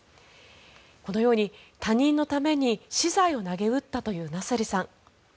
このように他人のために私財をなげうったというナセリさん。